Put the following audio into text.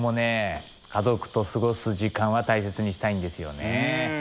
家族と過ごす時間は大切にしたいんですよね。